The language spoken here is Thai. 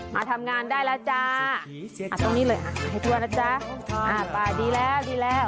มาทำงานได้ล่ะจ้าตรงนี้เลยให้ทั่วล่ะจ้าไปดีแล้วดีแล้ว